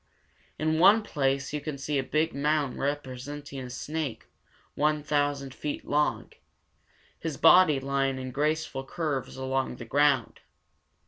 In one place you can see a big mound representing a snake one thousand feet long, his body lying in graceful curves along the ground.